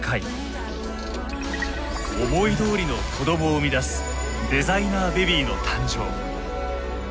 思いどおりの子供を生み出すデザイナーベビーの誕生。